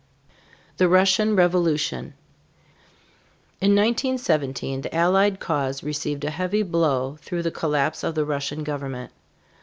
THE RUSSIAN REVOLUTION. In 1917 the Allied cause received a heavy blow through the collapse of the Russian government.